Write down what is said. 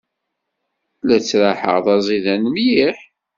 La ttraḥeɣ d aẓidan mliḥ.